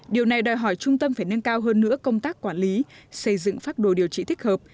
điều này đòi hỏi trung tâm phải nâng cao hơn nữa công tác quản lý xây dựng pháp đồ điều trị thích hợp